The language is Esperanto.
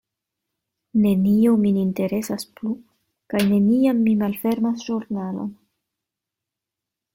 Nenio min interesas plu; kaj neniam mi malfermas ĵurnalon.